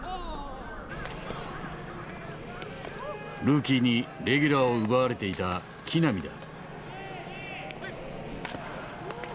ルーキーにレギュラーを奪われていた木浪だ。